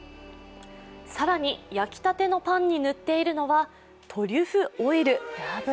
更に、焼きたてのパンに塗っているのはトリュフオイル。